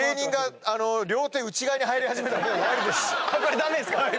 これ駄目ですか？